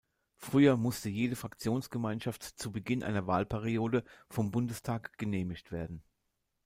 Früher musste jede Fraktionsgemeinschaft zu Beginn einer Wahlperiode vom Bundestag genehmigt werden.